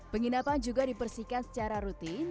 penginapan juga dibersihkan secara rutin